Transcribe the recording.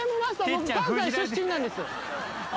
僕関西出身なんですよ。